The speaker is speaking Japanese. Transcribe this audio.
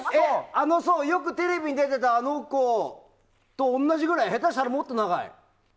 よくテレビに出てたあの子と同じくらい下手したらもっと長い？